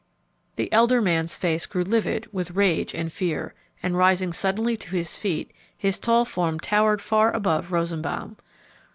The elder man's face grew livid with rage and fear, and, rising suddenly to his feet, his tall form towered far above Rosenbaum.